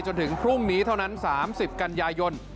จนถึงพรุ่งนี้เท่านั้น๓๐กันยายน